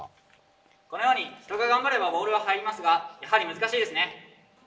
このように人が頑張ればボールは入りますがやはり難しいですね。